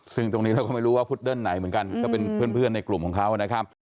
ซึ่งตรงนี้เราก็ไม่รู้ว่าพุดเดิ้ลไหนเหมือนกันก็เป็นเพื่อนในกลุ่มของเขานะครับ